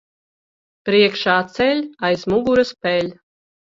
Priekšā ceļ, aiz muguras peļ.